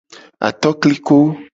Atokliko.